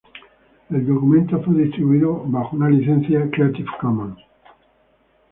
El documental fue distribuido bajo una licencia Creative Commons.